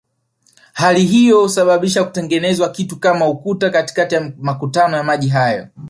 Hali hiyo husababisha kutengenezwa kitu kama ukuta katikati ya makutano ya maji hayo